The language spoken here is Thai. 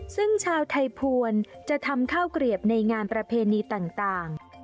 ซึ่งชาวไทยภวรจะทำข้าวเกลียบในงานประเพณีต่าง